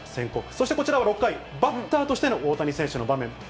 そしてこちらは６回、バッターとしての大谷選手の場面。